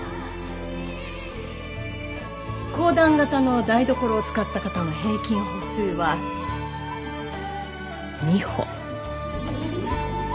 公団型の台所を使った方の平均歩数は２歩。